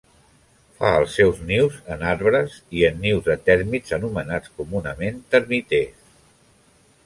Fa els seus nius en arbres i en nius de tèrmits anomenats comunament termiters.